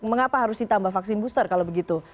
mengapa harus ditambah vaksin booster kalau begitu